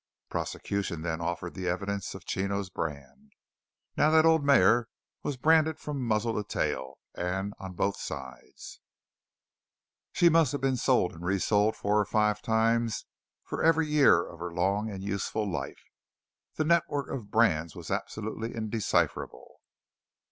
Prosecution then offered the evidence of Chino's brand. Now that old mare was branded from muzzle to tail, and on both sides. She must have been sold and resold four or five times for every year of her long and useful life. The network of brands was absolutely indecipherable.